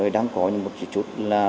đang có một chút là